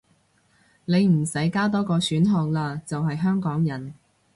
你唔使加多個選項喇，就係香港人